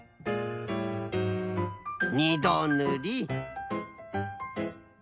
２どぬり。